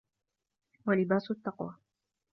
وَلِبَاسُ التَّقْوَى